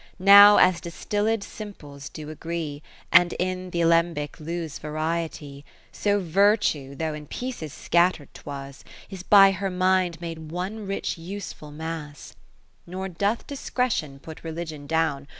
Now as distilled simples do agreCj And in th' alembic lose variety : So virtue, though in pieces scatter'd 'twas. Is by her mind hiade one rich useful mass. 50 Nor doth Discretion put Religion down.